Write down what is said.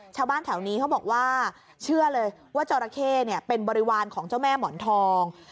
ชาวบ้านแถวนี้เขาบอกว่าเชื่อเลยว่าจราเข้เป็นบริวารของเจ้าแม่หมอนทอง